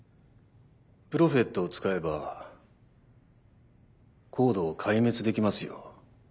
プロフェットを使えばＣＯＤＥを壊滅できますよ。